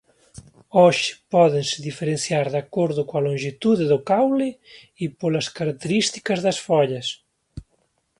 Hoxe pódense diferenciar de acordo coa lonxitude do caule e polas características das follas.